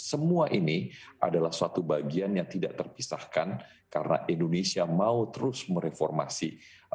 semua ini adalah suatu bagian yang tidak terpisahkan karena indonesia mau terus mereformasi